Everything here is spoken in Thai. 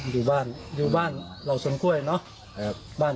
อยู่บ้านเหล่าสนก้วยเนอะ